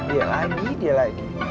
iya lagi dia lagi